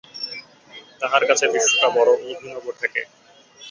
তাহার কাছে দৃশ্যটা বড় অভিনব ঠেকে।